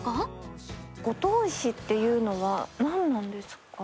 五島石っていうのは何なんですか？